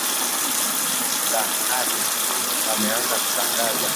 za hadi wameanza kutangaza